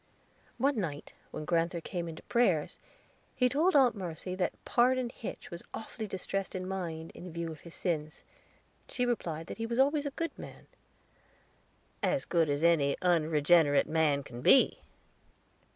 One night when grand'ther came in to prayers, he told Aunt Mercy that Pardon Hitch was awfully distressed in mind, in view of his sins. She replied that he was always a good man. "As good as any unregenerate man can be."